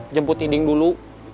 jemput iding dulu